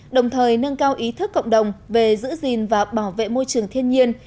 đồng thời nâng cao ý thức cộng đồng về giữ gìn và bảo vệ môi trường thiên nhiên